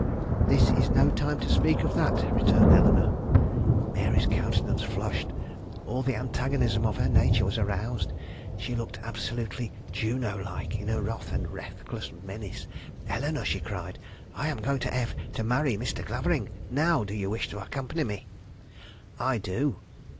"This is no time to speak of that," returned Eleanore. Mary's countenance flushed. All the antagonism of her nature was aroused. She looked absolutely Juno like in her wrath and reckless menace. "Eleanore," she cried, "I am going to F to marry Mr. Clavering! Now do you wish to accompany me?" "I do."